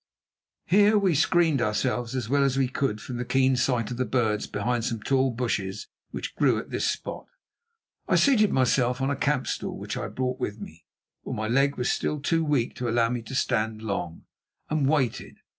Here we screened ourselves as well as we could from the keen sight of the birds behind some tall bushes which grew at this spot. I seated myself on a camp stool, which I had brought with me, for my leg was still too weak to allow me to stand long, and waited.